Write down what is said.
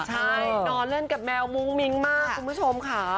ใช่นอนเล่นกับแมวมุ้งมิ้งมากคุณผู้ชมค่ะ